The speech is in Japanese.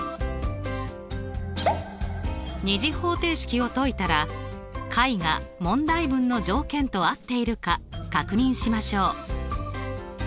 ２次方程式を解いたら解が問題文の条件と合っているか確認しましょう。